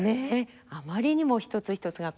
あまりにも一つ一つが個性的で。